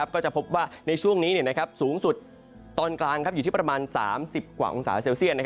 ก็จะพบว่าในช่วงนี้สูงสุดตอนกลางอยู่ที่ประมาณ๓๐กว่าองศาเซลเซียต